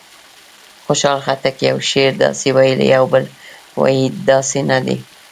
خوشحال خټک یو شعر داسې ویلی او بل وایي داسې نه دی.